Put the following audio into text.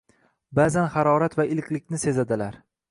Ba’zan harorat va iliqlikni sezadilar.